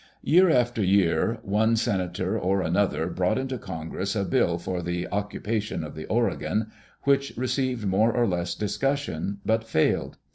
Year after year, one Senator or another brought into Congress a bill for the " occupation of the Oregon " which received more or less discussion, but failed.